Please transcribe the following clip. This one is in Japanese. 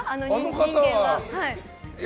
人間は。